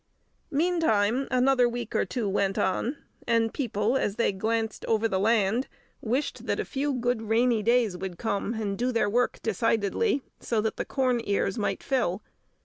Meantime, another week or two went on, and people as they glanced over the land wished that a few good rainy days would come and do their work decidedly, so that the corn ears might fill.